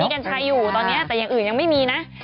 กัญชัยอยู่ตอนนี้แต่อย่างอื่นยังไม่มีนะ